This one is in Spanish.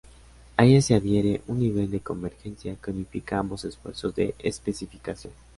A ellas se adhiere un nivel de convergencia que unifica ambos esfuerzos de especificación.